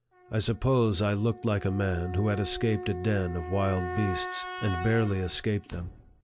I suppose I looked like a man who had escaped a den of wild beasts, and barely escaped them.